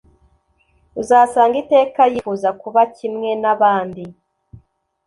uzasanga iteka yifuza kuba kimwenabandi